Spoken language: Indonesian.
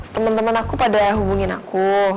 temen temen aku pada hubungin aku